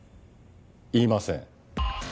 言いません。